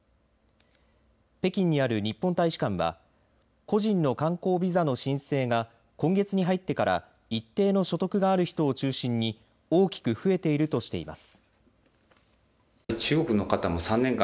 北京にある日本大使館は個人の観光ビザの申請が今月に入ってから一定の所得がある人を中心に大きく増えているとしています。